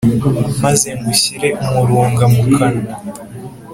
maze ngushyire umurunga mu kanwa,